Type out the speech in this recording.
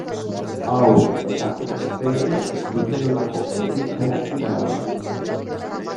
Haur eta gazteei zuzendutako ekoizpenak dira oro har.